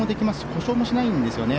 故障もしないんですね。